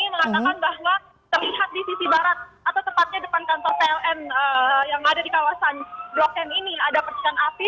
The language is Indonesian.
mengatakan bahwa terlihat di sisi barat atau tepatnya depan kantor pln yang ada di kawasan blok m ini ada percikan api